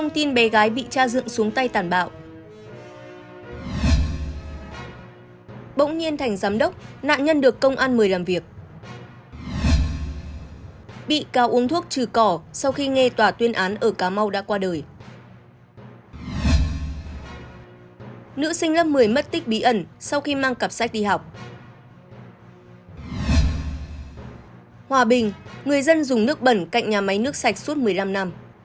các bạn hãy đăng kí cho kênh lalaschool để không bỏ lỡ những video hấp dẫn